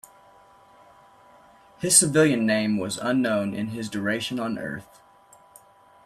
His civilian name was unknown in his duration on Earth.